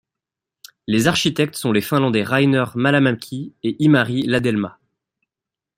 Les architectes sont les Finlandais Rainer Mahlamäki et lmari Lahdelma.